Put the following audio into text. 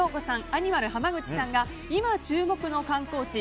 アニマル浜口さんが今注目の観光地